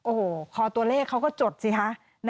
โอ้โหคอตัวเลขเขาก็จดสิคะ